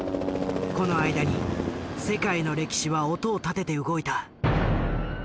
この間に世界の歴史は音を立てて動いた。